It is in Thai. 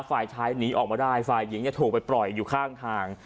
ฝ่ายชายหนีออกมาได้ฝ่ายหญิงถูกไปปล่อยอยู่ข้างทาง